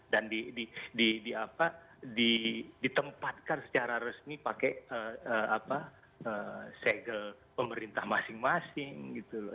dan ditempatkan secara resmi pakai segel pemerintah masing masing gitu loh